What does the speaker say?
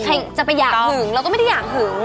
ใครจะไปอยากหึงเราก็ไม่ได้อยากหึง